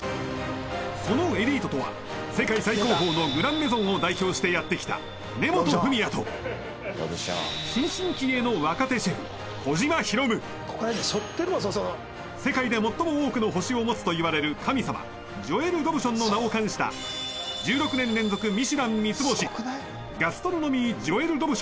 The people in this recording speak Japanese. そのエリートとは世界最高峰のグランメゾンを代表してやって来た新進気鋭の若手シェフ世界で最も多くの星を持つといわれる神様ジョエル・ロブションの名を冠した１６年連続ミシュラン三つ星ガストロノミージョエル・ロブションスーシェフと若き肉料理担当